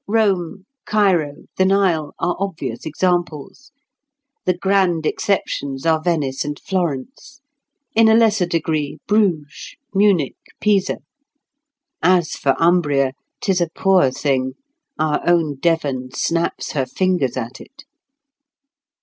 Rome, Cairo, the Nile, are obvious examples; the grand exceptions are Venice and Florence—in a lesser degree, Bruges, Munich, Pisa. As for Umbria, 'tis a poor thing; our own Devon snaps her fingers at it.